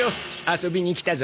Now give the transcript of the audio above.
遊びに来たゾ。